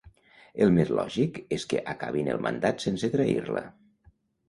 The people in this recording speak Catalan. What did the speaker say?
El més lògic és que acabin el mandat sense trair-la.